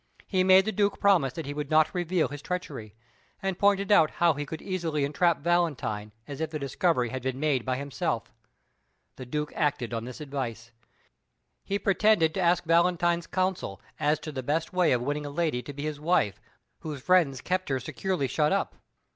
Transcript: He made the Duke promise that he would not reveal his treachery, and pointed out how he could easily entrap Valentine as if the discovery had been made by himself. The Duke acted on this advice. He pretended to ask Valentine's counsel as to the best way of winning a lady to be his wife, whose friends kept her securely shut up.